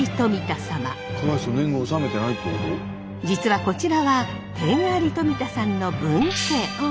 実はこちらは点あり富田さんの分家。